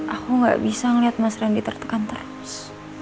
aku gak bisa ngeliat mas randy tertekan terus